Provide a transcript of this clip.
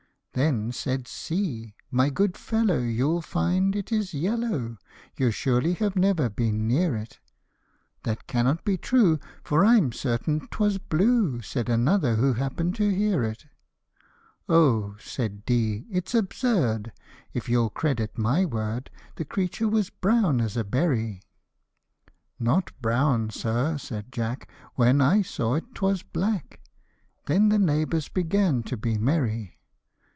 Then said C, " My good fellow, you'll find it is yellow ; You surely have never been near it :"" That cannot be true, for I'm certain 'twas blue," Said another who happen'd to hear it. <l O !" said D, te it's absurd ! if you'll credit my word, The creature was brown as a berry :"" Not brown, sir/' said Jack, " when I saw it, 'twas black ;" Their the neighbours began to be merry.